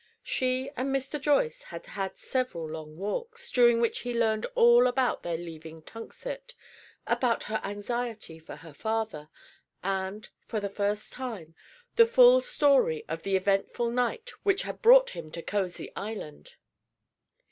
She and Mr. Joyce had had several long talks, during which he learned all about their leaving Tunxet, about her anxiety for her father, and, for the first time, the full story of the eventful night which had brought him to Causey Island.